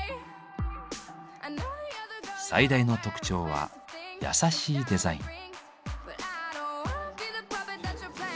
最大の特徴は優しいデザイン。